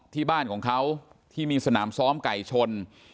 ที่บ้านของเขาที่มีสนามซ้อมไก่ชน